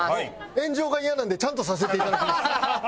炎上がイヤなんでちゃんとさせていただきます。